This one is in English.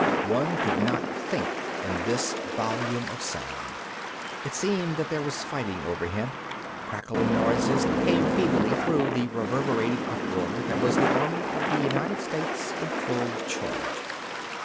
One could not think in this volume of sound. It seemed that there was fighting overhead. Crackling noises came feebly through the reverberating uproar that was the army of the United States in full charge.